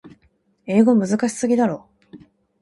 英語むずかしすぎだろ。